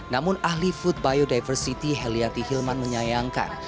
namun ahli food biodiversity heliati hilman menyayangkan